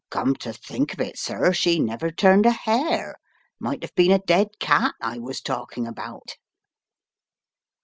"Come to think of it, sir, she never turned a hair, might have been a dead cat I was talking about."